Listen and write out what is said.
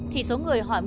thì số người hỏi bố